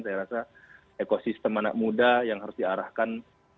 saya rasa ekosistem anak muda yang harus diarahkan